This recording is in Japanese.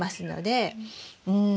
うん